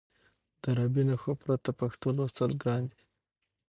د عربي نښو پرته پښتو لوستل ګران دي.